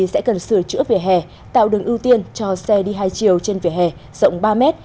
sẽ cần sửa chữa về hè tạo đường ưu tiên cho xe đi hai chiều trên vỉa hè rộng ba m